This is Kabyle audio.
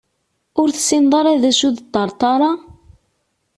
Ur tessineḍ ara d acu i d ṭerṭara?